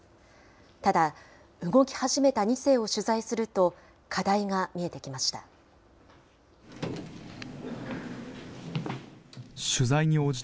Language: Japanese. ただ、動き始めた２世を取材すると、課題が見えてきました。